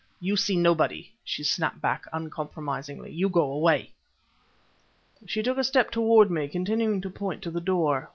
"You see nobody," she snapped back uncompromisingly. "You go away!" She took a step towards me, continuing to point to the door.